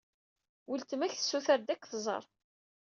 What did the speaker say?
Weltma-k tessutered ad k-tẓer.